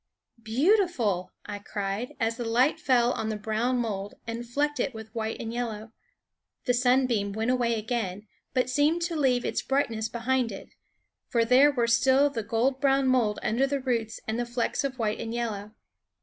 "Beautiful!" I cried, as the light fell on the brown mold and flecked it with white and yellow. The sunbeam went away again, but seemed to leave its brightness behind it; for there were still the gold brown mold under the roots and the flecks of white and yellow.